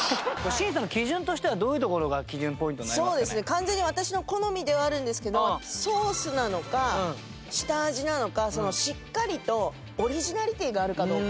完全に私の好みではあるんですけどソースなのか下味なのかしっかりとオリジナリティーがあるかどうか。